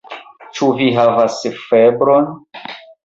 Ĉu vi havas febron?